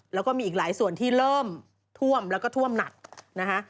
แล้วก็มีอีกหลายส่วนที่เริ่มท่วมแล้วก็ท่วมหนักนะคะ